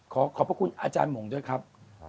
ขอขอบพระคุณอาจารย์หมงด้วยครับ